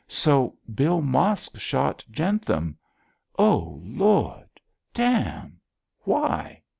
'So Bill Mosk shot Jentham. Oh, Lord! Damme! Why?'